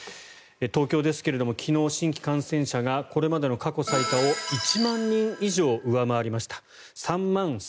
東京ですが、昨日、新規感染者がこれまでの過去最多を１万人以上上回りました。